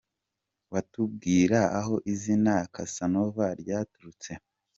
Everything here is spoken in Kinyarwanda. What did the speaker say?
com : Watubwira aho izina « Cassanova » ryaturutse ?.